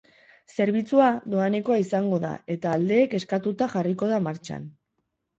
Zerbitzua doanekoa izango da eta aldeek eskatuta jarriko da martxan.